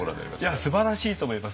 いやすばらしいと思います。